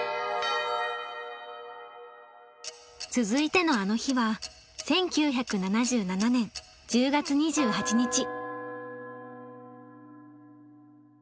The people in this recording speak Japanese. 続いての「あの日」は１９７７年１０月２８日。